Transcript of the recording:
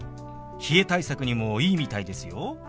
冷え対策にもいいみたいですよ。